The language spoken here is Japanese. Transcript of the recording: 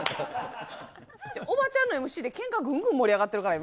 おばちゃんのＭＣでけんかぐんぐん盛り上がってるから、今。